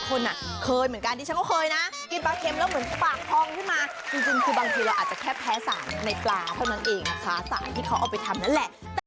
ทุกอย่างเป็นรายได้ทั้งหมด